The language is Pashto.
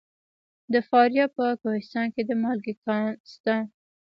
د فاریاب په کوهستان کې د مالګې کان شته.